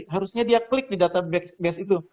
harusnya dia klik di database itu